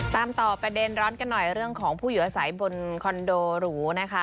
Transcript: ตามต่อประเด็นร้อนกันหน่อยเรื่องของผู้อยู่อาศัยบนคอนโดหรูนะคะ